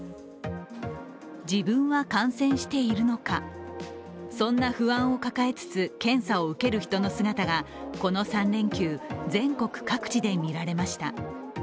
自分は感染しているのか、そんな不安を抱えつつ検査を受ける人の姿が、この３連休、全国各地で見られました。